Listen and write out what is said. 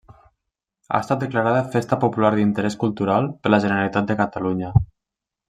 Ha estat declarada Festa Popular d'Interès Cultural per la Generalitat de Catalunya.